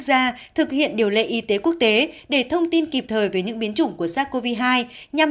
gia thực hiện điều lệ y tế quốc tế để thông tin kịp thời về những biến chủng của sars cov hai nhằm